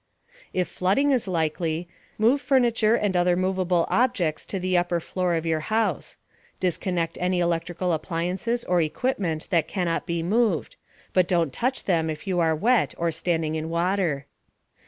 If flooding is likely, move furniture and other movable objects to the upper floor of your house. Disconnect any electrical appliances or equipment that cannot be moved but don't touch them if you are wet or are standing in water.